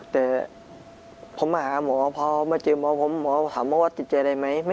แต่ผมมาหาหมอเมื่อเจอหมอหมอถามว่าจิตใจอะไรไหม